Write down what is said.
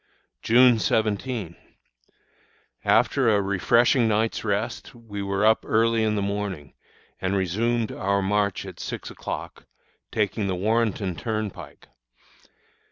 June 17. After a refreshing night's rest, we were up early in the morning, and resumed our march at six o'clock, taking the Warrenton Turnpike.